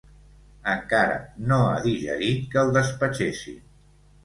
Encara no ha digerit que el despatxessin.